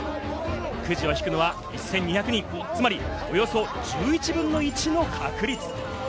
くじを引くのは１２００人、つまりおよそ１１分の１の確率。